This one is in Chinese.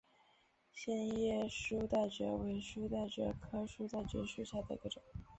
线叶书带蕨为书带蕨科书带蕨属下的一个种。